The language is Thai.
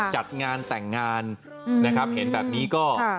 จัดงานแต่งงานนะครับเห็นแบบนี้ก็